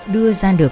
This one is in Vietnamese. đưa ra được